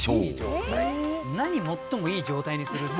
「最もいい状態にする」って。